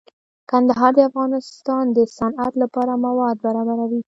کندهار د افغانستان د صنعت لپاره مواد برابروي.